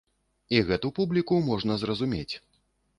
І гэту публіку можна зразумець.